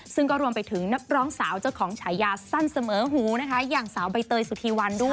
ซึ่งก็รวมไปถึงนักร้องสาวเจ้าของฉายาสั้นเสมอหูนะคะอย่างสาวใบเตยสุธีวันด้วย